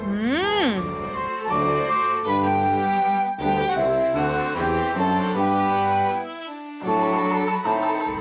อืม